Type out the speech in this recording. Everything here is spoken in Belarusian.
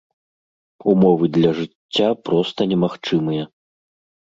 Умовы для жыцця проста немагчымыя.